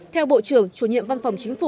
theo bộ trưởng chủ nhiệm văn phòng chính phủ